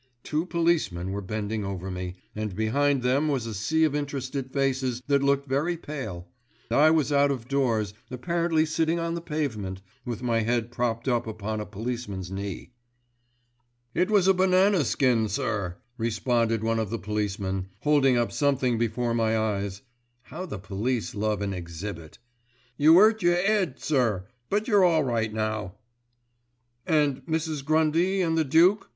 Two policemen were bending over me, and behind them was a sea of interested faces that looked very pale, I was out of doors, apparently sitting on the pavement, with my head propped up upon a policeman's knee. "It was a banana skin, sir," responded one of the policemen, holding up something before my eyes—(how the police love an "exhibit")—"you 'urt your 'ead, sir, but you're all right now." "And Mrs. Grundy and the Duke?"